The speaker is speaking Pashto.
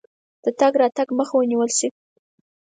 د تګ راتګ مخه ونیوله شي.